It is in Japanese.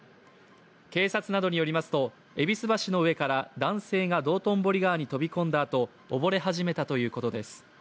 警察などによりますと、戎橋の上から男性が道頓堀川に飛び込んだあと溺れ始めたということです。